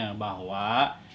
gimana kalau bau